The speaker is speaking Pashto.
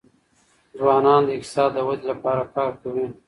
ځوانان د اقتصاد د ودي لپاره کار کوي.